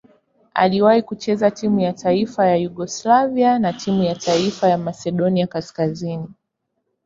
Aliwahi kucheza timu ya taifa ya Yugoslavia na timu ya taifa ya Masedonia Kaskazini.